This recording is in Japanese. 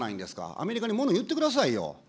アメリカにもの言ってくださいよ。